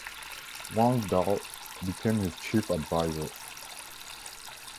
Wang Dao became his chief advisor.